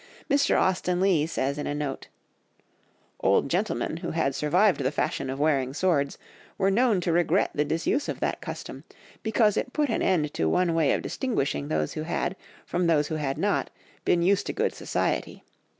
Mr. Austen Leigh says in a note, "Old gentlemen who had survived the fashion of wearing swords, were known to regret the disuse of that custom, because it put an end to one way of distinguishing those who had, from those who had not, been used to good society.